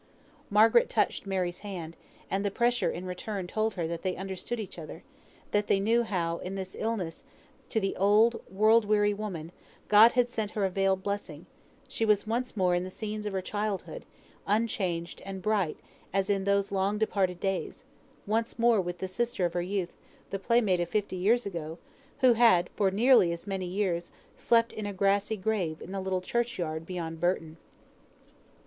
Margaret touched Mary's hand, and the pressure in return told her that they understood each other; that they knew how in this illness to the old, world weary woman, God had sent her a veiled blessing: she was once more in the scenes of her childhood, unchanged and bright as in those long departed days; once more with the sister of her youth, the playmate of fifty years ago, who had for nearly as many years slept in a grassy grave in the little church yard beyond Burton.